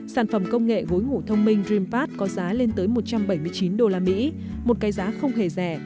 sản phẩm công nghệ gối ngủ thông minh dreampad có giá lên tới một trăm bảy mươi chín đô la mỹ một cái giá không hề rẻ